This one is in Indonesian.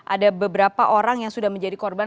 ada beberapa orang yang sudah menjadi korban